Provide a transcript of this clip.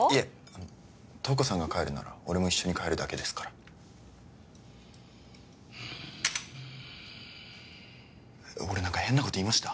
あの瞳子さんが帰るなら俺も一緒に帰るだけですからうん俺何か変なこと言いました？